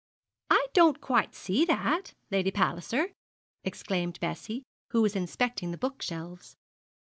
'I don't quite see that, Lady Palliser,' exclaimed Bessie, who was inspecting the book shelves.